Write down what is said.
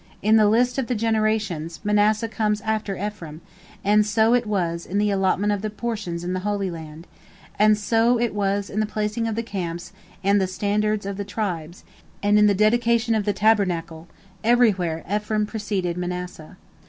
In the list of the generations, Manasseh comes after Ephraim, and so it was in the allotment of the portions in the Holy Land, and so it was in the placing of the camps and the standards of the tribes, and in the dedication of the Tabernacle—everywhere Ephraim preceded Manasseh.